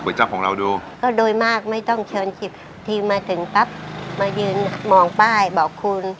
จับของเราดูก็โดยมากไม่ต้องเชิญคลิปทีมมาถึงปั๊บมายืนมองป้ายบอกคุณ